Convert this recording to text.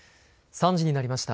３時になりました。